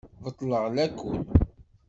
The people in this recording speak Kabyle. Beṭleɣ lakul.